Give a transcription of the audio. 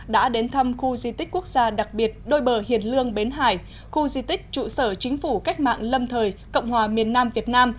đã đến thăm khu di tích quốc gia đặc biệt đôi bờ hiền lương bến hải khu di tích trụ sở chính phủ cách mạng lâm thời cộng hòa miền nam việt nam